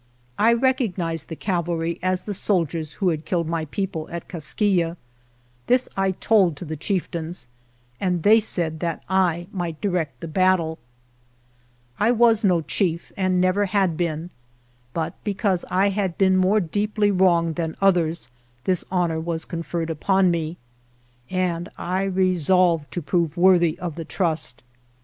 I recognized the cavalry as the soldiers who had killed my 51 GERONIMO people at Kaskiyeh. This I told to the chieftains, and they said that I might direct the battle. I was no chief and never had been, but because I had been more deeply wronged than others, this honor was conferred upon me, and I resolved to prove worthy of the trust.